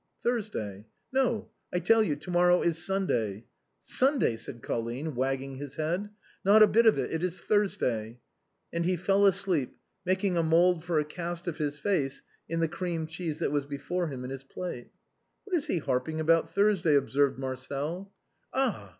" Thursday." " No, I tell you ; to morrow is Sunday." " Sunday !" said Colline, wagging his head ;" not a bit of it^ it is Thursday." THE HOUSE WARMING. 159 And he fell asleep, making a mould for a cast of his face in the cream cheese that was before him in his plate. " What is he harping about Thursday ?" observed Marcel. "Ah!